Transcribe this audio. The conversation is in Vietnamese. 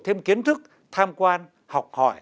thêm kiến thức tham quan học hỏi